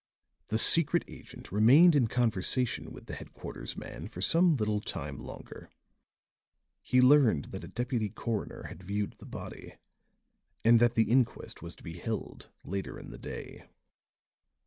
The secret agent remained in conversation with the headquarters man for some little time longer. He learned that a deputy coroner had viewed the body and that the inquest was to be held later in the day.